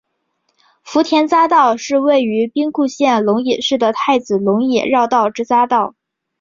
福田匝道是位于兵库县龙野市的太子龙野绕道之匝道。